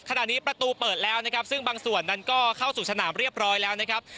ขณะนี้ประตูเปิดแล้วนะครับซึ่งบางส่วนนั้นก็เข้าสู่สนามเรียบร้อยแล้วนะครับ